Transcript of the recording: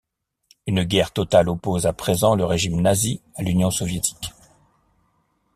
Une guerre totale oppose à présent le régime nazi à l’Union soviétique.